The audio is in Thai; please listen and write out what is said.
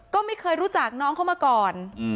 ก็ไม่เคยรู้จักน้องเขามาก่อน